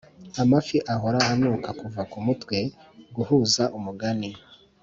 amafi ahora anuka kuva kumutwe guhuza umugani